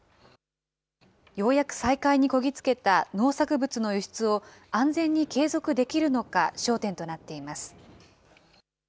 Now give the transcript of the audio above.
ようやく再開にこぎ着けた農作物の輸出を、安全に継続できるのか、焦点となっています。